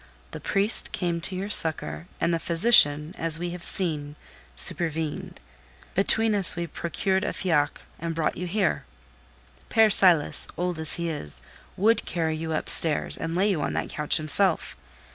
The priest came to your succour, and the physician, as we have seen, supervened. Between us we procured a fiacre and brought you here. Père Silas, old as he is, would carry you up stairs, and lay you on that couch himself.